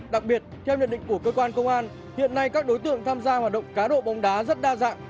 đặc biệt theo nhận định của cơ quan công an hiện nay các đối tượng tham gia hoạt động cá độ bóng đá rất đa dạng